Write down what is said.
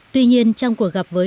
tuy nhiên trong cuộc gặp với